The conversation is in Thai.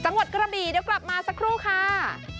จังหวัดกระบีเดี๋ยวกลับมาสักครู่ค่ะ